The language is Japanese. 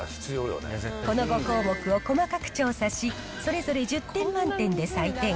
この５項目を細かく調査し、それぞれ１０点満点で採点。